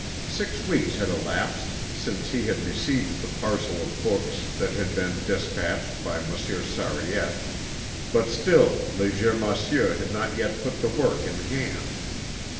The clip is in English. Six weeks had elapsed since he had received the parcel of books that had been despatched by Monsieur Sariette, but still Léger Massieu had not yet put the work in hand.